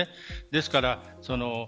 ですから、